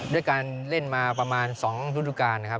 ด้วยการเล่นมาประมาณ๒ฤดูการนะครับ